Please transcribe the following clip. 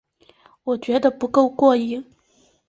我觉得不够过瘾